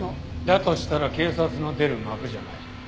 だとしたら警察の出る幕じゃない。